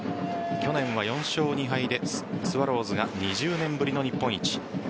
去年は４勝２敗でスワローズが２０年ぶりの日本一。